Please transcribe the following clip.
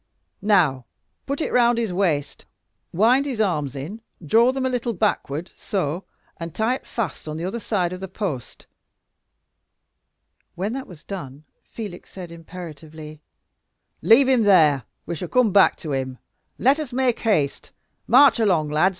"Now, put it round his waist, wind his arms in, draw them a little backward so! and tie it fast on the other side of the post." When that was done, Felix said, imperatively: "Leave him there we shall come back to him; let us make haste; march along, lads!